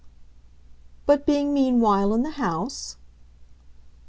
"But being meanwhile in the house